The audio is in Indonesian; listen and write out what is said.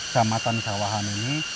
kecamatan sawahan ini